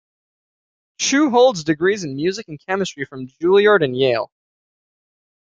Chiu holds degrees in music and chemistry from Juilliard and Yale.